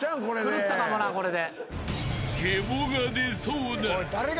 狂ったかもなこれで。